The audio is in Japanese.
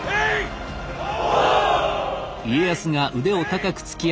おう！